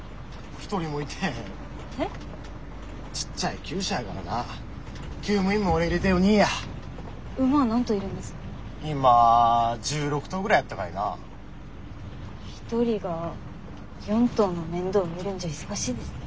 １人が４頭の面倒を見るんじゃ忙しいですね。